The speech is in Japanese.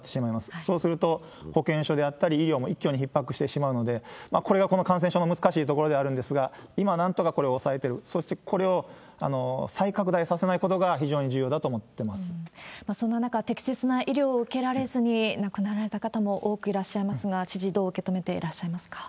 そうすると保健所であったり医療も一挙にひっ迫してしまうので、これがこの感染症の難しいところではあるんですが、今なんとかこれを抑えてる、そしてこれを再拡大させないことが非常に重要だとそんな中、適切な医療を受けられずに亡くなられた方も多くいらっしゃいますが、知事、どう受け止めていらっしゃいますか？